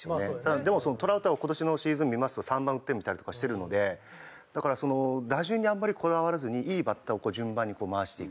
でもそのトラウトは今年のシーズン見ますと３番打ってみたりとかしてるのでだから打順にあんまりこだわらずにいいバッターを順番に回していく。